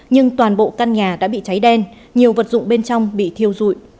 nhưng toàn bộ căn nhà đã bị cháy đen nhiều vật dụng bên trong bị thiêu dụi